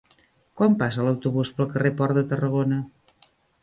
Quan passa l'autobús pel carrer Port de Tarragona?